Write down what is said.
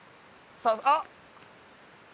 あっ！